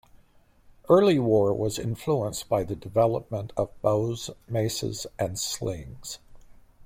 Early war was influenced by the development of bows, maces, and slings.